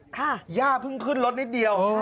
ย่าเพิ่งขึ้นรถนิดเดียว